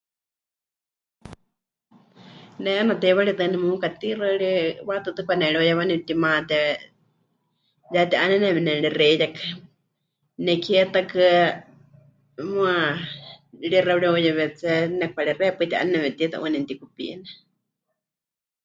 Ne 'eena teiwaritɨ́a nemuka tixaɨ ri waʼatɨɨ́tɨ pɨkanereuyehɨwá nepɨtimaté ya ti'áneneme nemɨrexeiyakɨ, nekie ta huukɨ́a muuwa rixɨa pɨreuyewetsé, nepɨkarexeiya paɨ ti'áneneme tiita 'uuwa nemɨtikupine.